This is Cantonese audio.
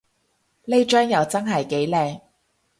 呢張又真係幾靚